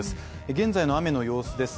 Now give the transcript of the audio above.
現在の雨の様子です